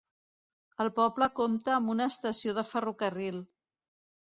El poble compta amb una estació de ferrocarril.